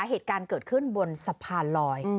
เหตุการณ์เกิดขึ้นบนสะพานลอย